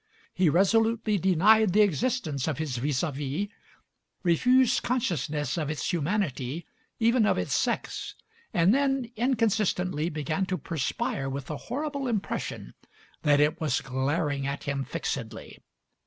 He resolutely denied the existence of his vis a vis, refused consciousness of its humanity, even of its sex, and then inconsistently began to perspire with the horrible impression that it was glaring at him fixedly.